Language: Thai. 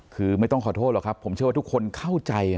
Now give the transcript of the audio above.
คือไม่ต้องขอโทษหรอกครับผมเชื่อว่าทุกคนเข้าใจ